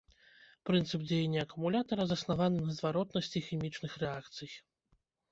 Прынцып дзеяння акумулятара заснаваны на зваротнасці хімічных рэакцый.